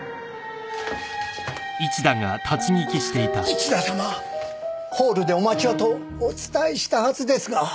市田様ホールでお待ちをとお伝えしたはずですが。